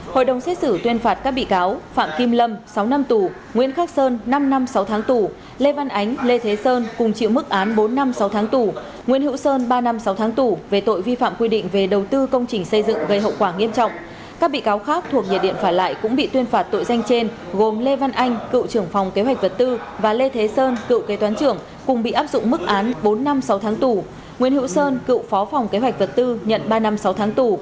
hội đồng xét xử tuyên phạt các bị cáo phạm kim lâm sáu năm tù nguyễn khắc sơn năm năm sáu tháng tù lê văn ánh lê thế sơn cùng chịu mức án bốn năm sáu tháng tù nguyễn hữu sơn ba năm sáu tháng tù về tội vi phạm quy định về đầu tư công trình xây dựng gây hậu quả nghiêm trọng